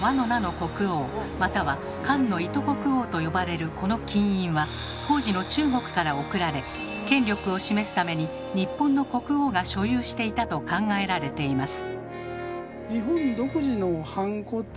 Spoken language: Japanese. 国王または「かんのいとこくおう」と呼ばれるこの金印は当時の中国から贈られ権力を示すために日本の国王が所有していたと考えられています。